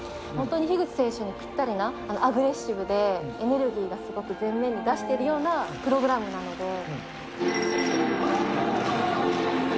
本当に樋口選手にぴったりな、アグレッシブでエネルギーがすごく全面に出しているようなプログラムなので。